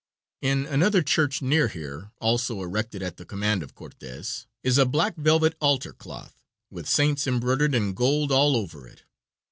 In another church near here, also erected at the command of Cortes, is a black velvet altar cloth, with saints embroidered in gold all over it.